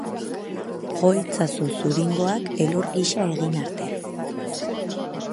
Jo itzazu zuringoak elur gisa egin arte.